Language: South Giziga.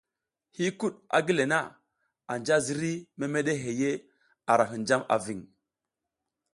Hiykud a gi le na anja ziriy memeɗe hey a ra hinjam a ving.